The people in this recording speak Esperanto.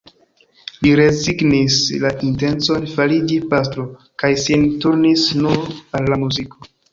Li rezignis la intencon fariĝi pastro kaj sin turnis nur al la muziko.